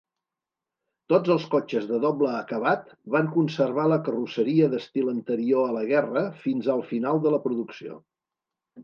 Tots els cotxes de doble acabat van conservar la carrosseria d'estil anterior a la guerra fins al final de la producció.